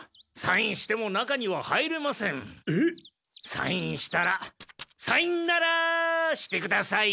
サインしたらサインナラーしてください。